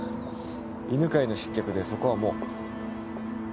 犬飼の失脚でそこはもう。